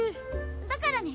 だからね